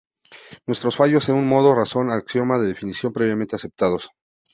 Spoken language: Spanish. Muestran fallos en un modo de razón, axioma o definición previamente aceptados.